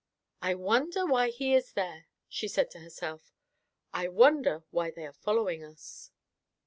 "I wonder why he is there?" she said to herself, "I wonder why they are following us?"